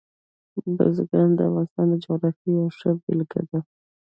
بزګان د افغانستان د جغرافیې یوه ښه بېلګه ده.